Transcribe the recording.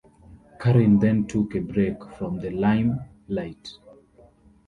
Karin then took a break from the lime light.